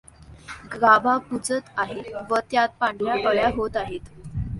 गाभा कुजत आहे व त्यात पांढर्या अळ्या होत आहेत.